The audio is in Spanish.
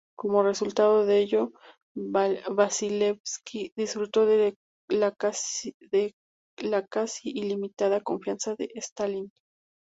Como resultado de ello, Vasilevski disfrutó de la casi ilimitada confianza de Stalin.